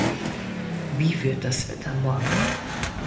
Wie wird das Wetter morgen?